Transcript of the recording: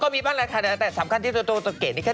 ก็มีบ้างแล้วค่ะแต่สำคัญที่ตัวเก๋น